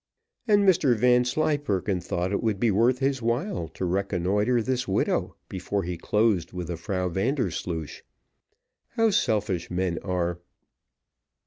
And Mr Vanslyperken thought it would be worth his while to reconnoitre this widow before he closed with the Frau Vandersloosh. How selfish men are!